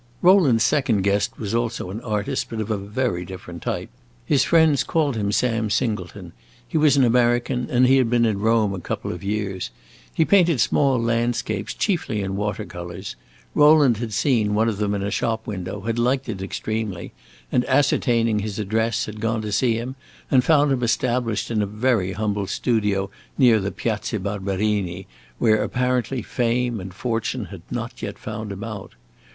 Rowland's second guest was also an artist, but of a very different type. His friends called him Sam Singleton; he was an American, and he had been in Rome a couple of years. He painted small landscapes, chiefly in water colors: Rowland had seen one of them in a shop window, had liked it extremely, and, ascertaining his address, had gone to see him and found him established in a very humble studio near the Piazza Barberini, where, apparently, fame and fortune had not yet found him out.